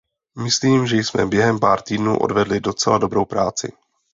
Myslím, že jsme během pár týdnů odvedli docela dobrou práci.